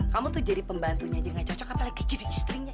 kamu tuh jadi pembantunya jadi gak cocok apalagi jadi istrinya